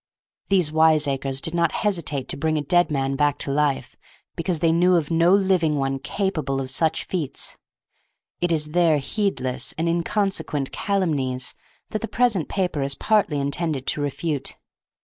These wiseacres did not hesitate to bring a dead man back to life because they knew of no living one capable of such feats; it is their heedless and inconsequent calumnies that the present paper is partly intended to refute.